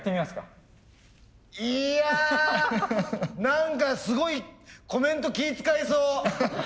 何かすごいコメント気遣いそう。